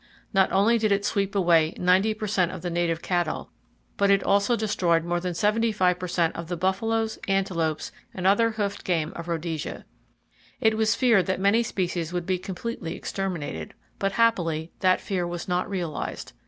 Not only did it sweep away ninety percent of the native cattle but it also destroyed more than seventy five per cent of the buffalos, antelopes and other hoofed game of Rhodesia. It was feared that many species would be completely exterminated, but happily that fear was not realized.